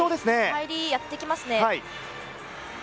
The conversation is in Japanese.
入りやってきますね。